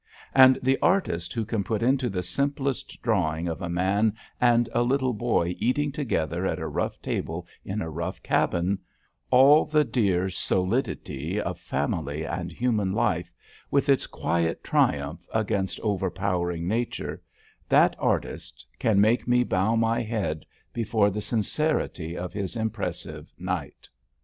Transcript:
And the artist who can put into the simplest drawing of a man and a little boy eating together at a rough table in a rough cabin, all the dear solidity of family and home life, with its quiet triumph against overpowering Nature, that artist can make me bow my head before the sincerity of his impressive "Night."